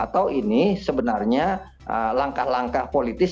atau ini sebenarnya langkah langkah politis